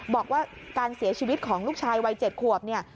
บอกว่าการเสียชีวิตของลูกชายวัย๗ขวบเนี่ย